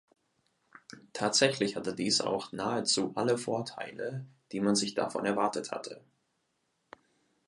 Tatsächlich hatte dies auch nahezu alle Vorteile, die man sich davon erwartet hatte.